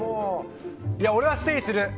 俺はステイする。